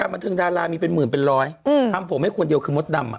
บันเทิงดารามีเป็นหมื่นเป็นร้อยทำผมให้คนเดียวคือมดดำ